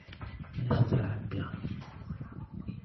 من اخترع البيانو ؟